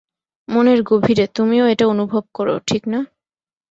মনের গভীরে, তুমিও এটা অনুভব কর, ঠিক না?